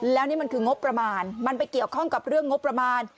แล้วนี่มันคืองบประมาณมันไปเกี่ยวข้องกับเรื่องงบประมาณ